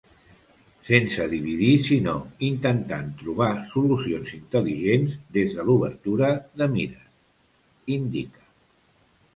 Sense dividir, sinó intentant trobar solucions intel·ligents des de l’obertura de mires, indica.